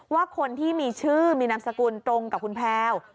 ว่าคนที่มีชื่อมีนามสกุลตรงกับคุณแพลว